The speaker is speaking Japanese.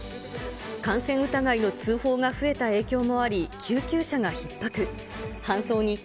感染疑いの通報が増えた影響もあり、救急車がひっ迫。